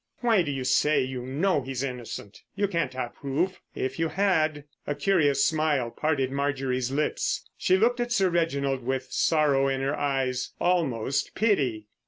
"Why do you say you know he's innocent? You can't have proof. If you had——" A curious smile parted Marjorie's lips. She looked at Sir Reginald with sorrow in her eyes, almost pity.